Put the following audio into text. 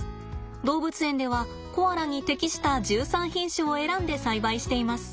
動物園ではコアラに適した１３品種を選んで栽培しています。